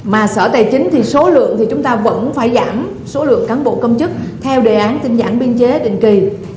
mà sở tài chính thì số lượng thì chúng ta vẫn phải giảm số lượng cán bộ công chức theo đề án tinh giản biên chế định kỳ